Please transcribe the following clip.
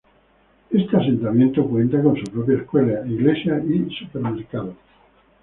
Este asentamiento cuenta con su propia escuela, iglesia, y supermercado.